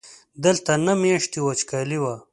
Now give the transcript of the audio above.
دلته نهه میاشتې وچکالي وه.